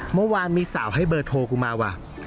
เมื่อวานมีสาวให้เบอร์โทรกูมาว่ะ